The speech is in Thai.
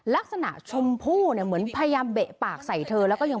ลักษณะชมพู่เหมือนพยายามเบะปากใส่เธอ